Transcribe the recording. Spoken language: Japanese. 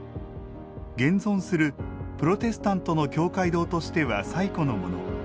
現存するプロテスタントの教会堂としては最古のもの。